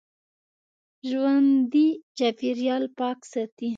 ژوندي چاپېریال پاک ساتي